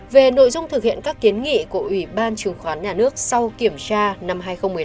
về nội dung thực hiện các kiến nghị của ủy ban chứng khoán nhà nước sau kiểm tra năm hai nghìn một mươi năm